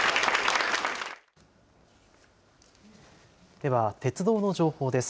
では鉄道の情報です。